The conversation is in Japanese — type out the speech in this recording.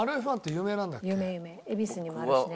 恵比寿にもあるしね